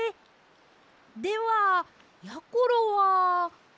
ではやころは。